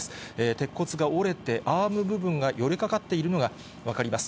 鉄骨が折れてアーム部分が寄りかかっているのが、分かります。